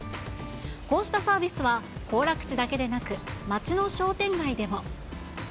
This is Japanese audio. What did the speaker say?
こうしたサービスは、行楽地だけでなく、町の商店街でも。